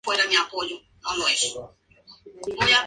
Dedicó todas sus energías a la poesía.